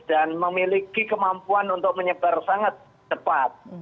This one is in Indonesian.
dan memiliki kemampuan untuk menyebar sangat cepat